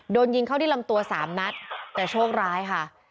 โดนยิงเข้าที่ลำตัวสามนัดแต่โชคร้ายค่ะ